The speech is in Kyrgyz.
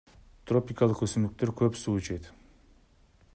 Тропикалык өсүмдүктөр көп суу ичет.